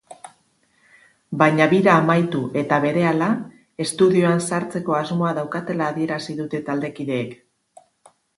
Baina bira amaitu eta berehala estudioan sartzeko asmoa daukatela adierazi dute taldekideek.